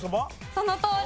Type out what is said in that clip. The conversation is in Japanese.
そのとおり。